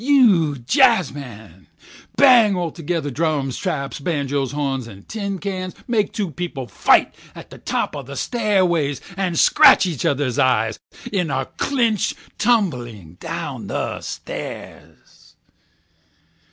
you jazzmen, bang altogether drums, traps, banjoes, horns, tin cans—make two people fight on the top of a stairway and scratch each other's eyes in a clinch tumbling down the stairs.